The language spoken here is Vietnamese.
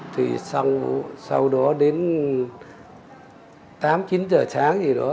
thì sau đó đến tám chín giờ sáng gì đó tôi đi đến bệnh viện long khánh cập cứu